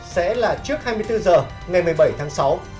sẽ là trước hai mươi bốn h ngày một mươi bảy tháng sáu